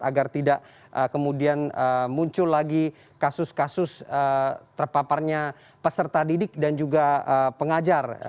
agar tidak kemudian muncul lagi kasus kasus terpaparnya peserta didik dan juga pengajar